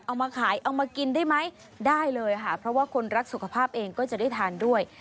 เอามาขายเอามากินได้ไหมได้เลยค่ะเพราะว่าคนรักสุขภาพเองก็จะได้ทานด้วย